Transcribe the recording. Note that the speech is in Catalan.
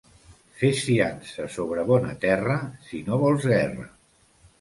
Fes fiança sobre bona terra si no vols guerra.